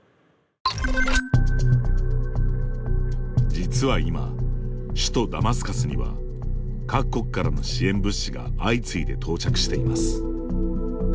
実は今、首都ダマスカスには各国からの支援物資が相次いで到着しています。